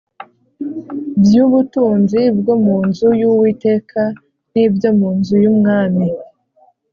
by’ubutunzi bwo mu nzu y’Uwiteka n’ibyo mu nzu y’umwami